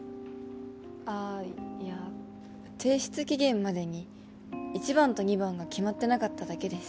あいや提出期限までに一番と二番が決まってなかっただけです